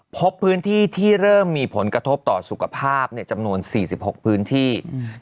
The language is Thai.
พบพื้นที่ที่เริ่มมีผลกระทบต่อสุขภาพจำนวน๔๖พื้นที่